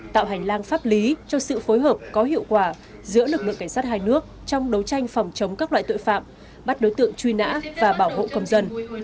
tạo hành lang pháp lý cho sự phối hợp có hiệu quả giữa lực lượng cảnh sát hai nước trong đấu tranh phòng chống các loại tội phạm bắt đối tượng truy nã và bảo hộ công dân